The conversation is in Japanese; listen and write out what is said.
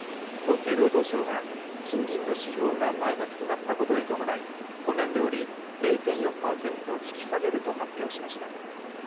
厚生労働省は、賃金の指標がマイナスになったことに伴い、今年度より０．４％引き下げると発表しました。